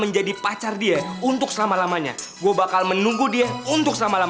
jadi sekarang kita boleh nengok dia ke dalam